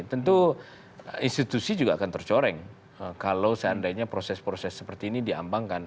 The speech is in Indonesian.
tentu institusi juga akan tercoreng kalau seandainya proses proses seperti ini diambangkan